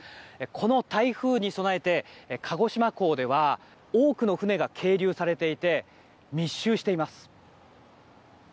この台風に備えて鹿児島港では多くの船が係留されていて密集しています。